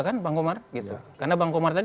kan bang komar gitu karena bang komar tadi